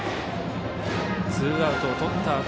ツーアウトをとった